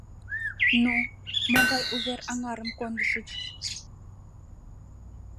— Ну, могай увер-аҥарым кондышыч?